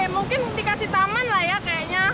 mungkin dikasih taman lah ya kayaknya